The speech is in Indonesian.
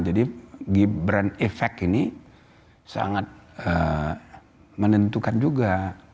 gibran efek ini sangat menentukan juga